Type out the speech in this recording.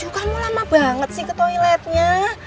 kamu lama banget sih ke toiletnya